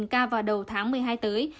một ca vào đầu tháng một mươi hai tới